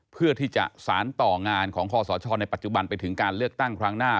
เพื่อที่จะสารต่องานของคอสชในปัจจุบันไปถึงการเลือกตั้งครั้งหน้า